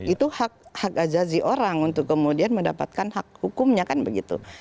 itu hak azazi orang untuk kemudian mendapatkan hak hukumnya kan begitu